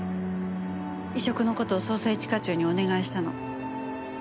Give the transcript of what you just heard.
移植の事を捜査一課長にお願いしたの。